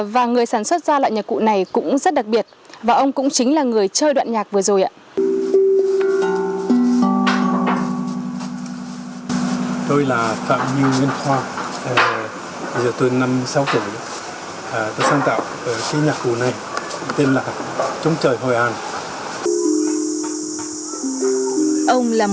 và người sản xuất ra loại nhạc cụ này cũng rất đặc biệt và ông cũng chính là người chơi đoạn nhạc vừa rồi ạ